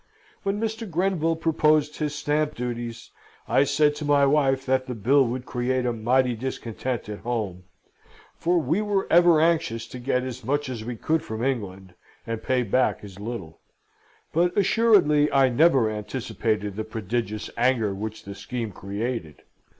When Mr. Grenville proposed his stamp duties, I said to my wife that the bill would create a mighty discontent at home, for we were ever anxious to get as much as we could from England, and pay back as little; but assuredly I never anticipated the prodigious anger which the scheme created.